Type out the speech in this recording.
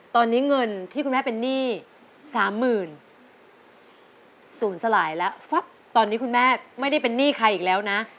ตอนนี้เงินที่คุณแม่เป็นหนี้๓๐๐๐ศูนย์สลายแล้วตอนนี้คุณแม่ไม่ได้เป็นหนี้ใครอีกแล้วนะ